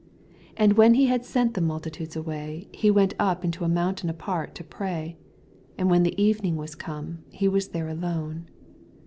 23 Ana when he hod sent the multitudes away, he went up into a mountain apart to pray: and when the evenuig was come, he was there alone.